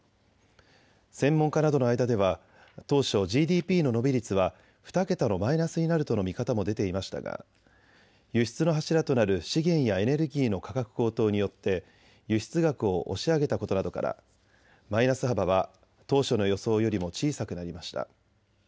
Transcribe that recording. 専門家などの間では当初ＧＤＰの伸び率は２桁のマイナスになるとの見方も出ていましたが輸出の柱となる資源やエネルギーの価格高騰によって輸出額を押し上げたことなどからマイナス幅は当初の予想よりも小さくなりました。